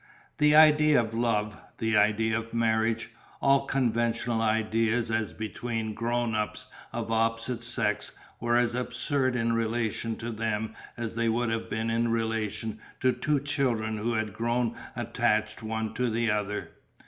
The idea of Love, the idea of Marriage, all conventional ideas as between grown ups of opposite sex were as absurd in relation to them as they would have been in relation to two children who had grown attached one to the other.